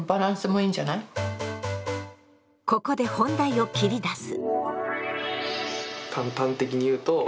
ここで本題を切り出す。